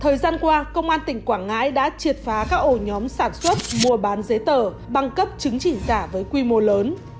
thời gian qua công an tỉnh quảng ngãi đã triệt phá các ổ nhóm sản xuất mua bán giấy tờ băng cấp chứng chỉ giả với quy mô lớn